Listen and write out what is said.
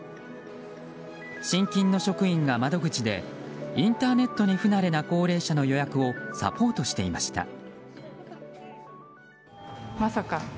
信金の職員が窓口でインターネットに不慣れな高齢者の予約をサポートしていました。